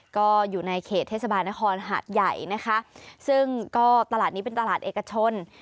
ก็อยู่ในเขตเทศบาลนครหาดใหญ่นะคะซึ่งก็ตลาดนี้เป็นตลาดเอกชน